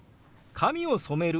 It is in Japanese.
「髪を染める」。